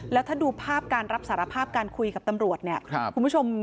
แล้วถ้าดูภาพการรับสารภาพการคุยกับตำรวจเนี่ยคุณผู้ชม